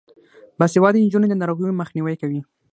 باسواده نجونې د ناروغیو مخنیوی کوي.